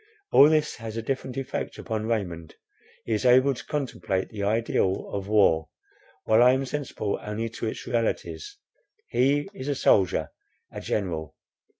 All this has a different effect upon Raymond. He is able to contemplate the ideal of war, while I am sensible only to its realities. He is a soldier, a general.